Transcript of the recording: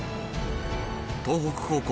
東北高校